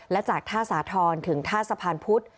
และจากท่าสาธรณ์ถึงท่าสะพานพุธ